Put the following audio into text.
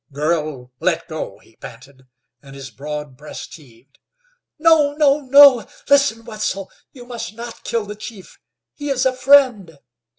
"Girl, let go!" he panted, and his broad breast heaved. "No, no, no! Listen, Wetzel, you must not kill the chief. He is a friend."